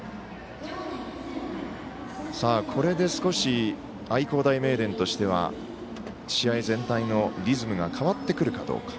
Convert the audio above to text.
これで少し、愛工大名電としては試合全体のリズムが変わってくるかどうか。